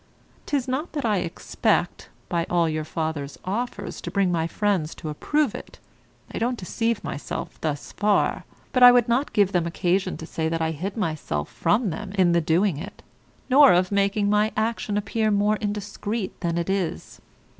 'Tis not that I expect, by all your father's offers, to bring my friends to approve it. I don't deceive myself thus far, but I would not give them occasion to say that I hid myself from them in the doing it; nor of making my action appear more indiscreet than it is.